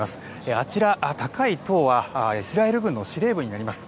あちら、高い塔はイスラエル軍の司令部になります。